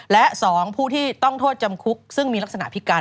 และ๒ผู้ที่ต้องโทษจำคุกซึ่งมีลักษณะพิการ